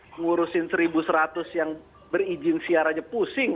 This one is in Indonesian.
mengurusin seribu seratus yang berizin siarannya pusing